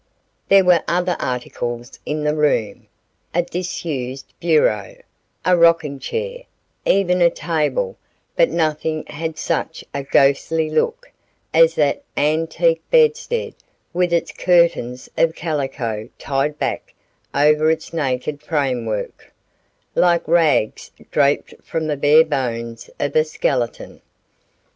There were other articles in the room; a disused bureau, a rocking chair, even a table, but nothing had such a ghostly look as that antique bedstead with its curtains of calico tied back over its naked framework, like rags draped from the bare bones of a skeleton.